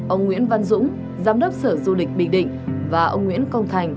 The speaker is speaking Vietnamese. ông nguyễn văn dũng giám đốc sở du lịch bình định và ông nguyễn công thành